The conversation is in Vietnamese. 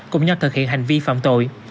cùng nhau thực hiện hành vi phạm tội